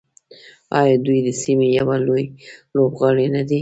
آیا دوی د سیمې یو لوی لوبغاړی نه دی؟